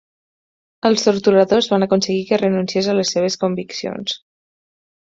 Els torturadors van aconseguir que renunciés a les seves conviccions.